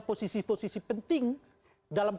posisi posisi penting dalam